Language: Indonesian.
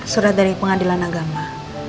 surat dari pengadilan agama